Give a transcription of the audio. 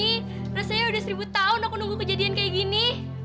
ini rasanya udah seribu tahun aku nunggu kejadian kayak gini